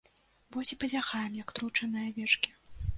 Вось і пазяхаем, як тручаныя авечкі.